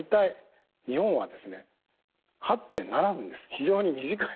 非常に短い。